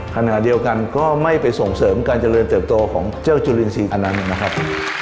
ขณะเดียวกันก็ไม่ไปส่งเสริมการเจริญเติบโตของเจ้าจุลินทรีย์อันนั้นนะครับ